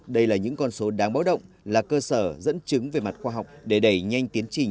đây là những con số đáng báo động là cơ sở dẫn chứng về mặt khoa học để đẩy nhanh tiến trình